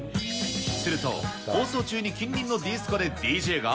すると、放送中に近隣のディスコでＤＪが。